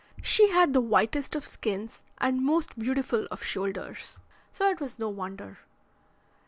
She had the whitest of skins and most beautiful of shoulders, so it was no wonder.